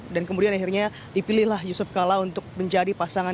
dan kemudian akhirnya dipilihlah yusuf kala untuk menjadi pasangan